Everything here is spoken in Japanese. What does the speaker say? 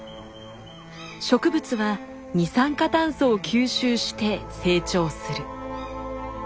植物は二酸化炭素を吸収して成長する。